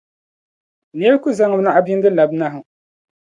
Nira ku zaŋ naɣ’ bindi n-labi nahu.